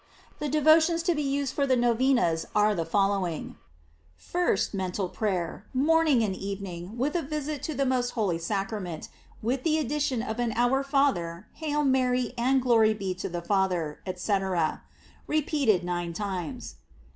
The devotions to be used fortheNovenas are the fol lowing: 1st. Mental prayer, morning and even ing, with a visit to the most holy Sacrament, with the addition of an "Our Father," "Hail Mary," and "Glory be to the Father, &c.," re peated nine times.